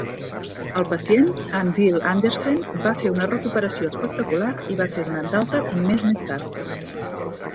El pacient, Hanvil Andersen, va fer una recuperació espectacular i va ser donat d'alta un mes més tard.